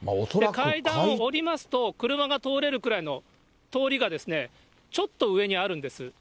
階段を下りますと、車が通れるくらいの通りがちょっと上にあるんです。